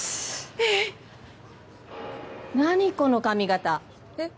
えーっ何この髪形・えっ？